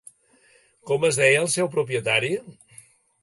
Com es deia el seu propietari?